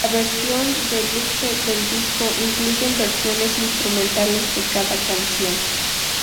La versión deluxe del disco incluye versiones instrumentales de cada canción.